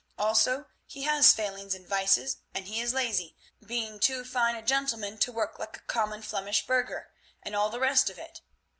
Also he has failings and vices, and he is lazy, being too fine a gentleman to work like a common Flemish burgher, and all the rest of it.